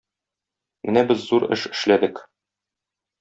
менә без зур эш эшләдек